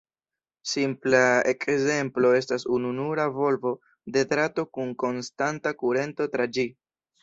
Simpla ekzemplo estas ununura volvo de drato kun konstanta kurento tra ĝi.